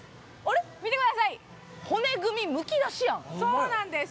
そうなんです。